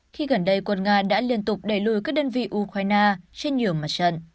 khi gần đây quân nga đã liên tục đẩy lùi các đơn vị ukraine trên nhiều mặt trận